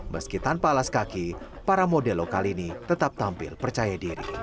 meski tanpa alas kaki para model lokal ini tetap tampil percaya diri